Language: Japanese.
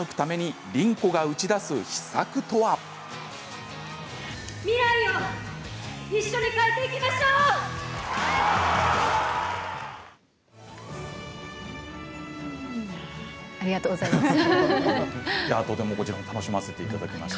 ありがとうございます。